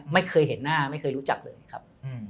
ไม่เคยเห็นหน้าไม่เคยรู้จักเลยครับ